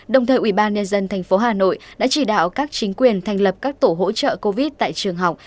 đồng thời ubnd tp hà nội đã chỉ đạo các chính quyền thành lập các tổ hỗ trợ covid tại trường học